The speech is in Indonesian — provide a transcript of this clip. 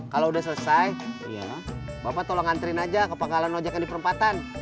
kalau udah selesai bapak tolong anterin aja ke pangalan ojekan di perempatan